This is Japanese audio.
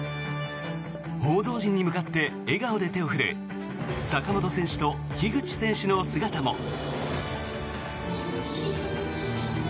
報道陣に向かって笑顔で手を振る坂本選手と樋口選手の姿も。